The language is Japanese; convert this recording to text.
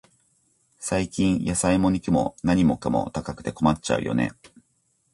最近、野菜も肉も、何かも高くて困っちゃうよね。